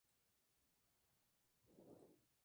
Diario que aun esta en vigencia.